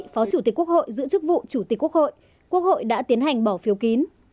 phó chủ tịch quốc hội giữ chức vụ chủ tịch quốc hội quốc hội đã tiến hành bỏ phiếu kín